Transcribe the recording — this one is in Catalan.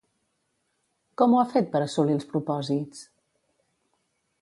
Com ho ha fet per assolir els propòsits?